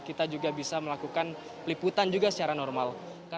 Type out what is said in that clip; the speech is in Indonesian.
kita juga bisa melakukan peliputan juga secara normal